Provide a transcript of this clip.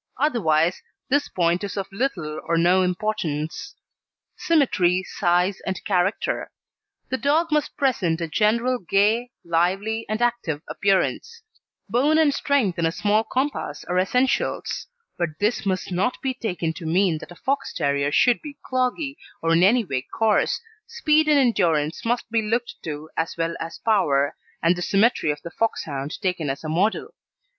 Otherwise this point is of little or no importance. SYMMETRY, SIZE, AND CHARACTER The dog must present a general gay, lively, and active appearance; bone and strength in a small compass are essentials; but this must not be taken to mean that a Fox terrier should be cloggy, or in any way coarse speed and endurance must be looked to as well as power, and the symmetry of the Foxhound taken as a model.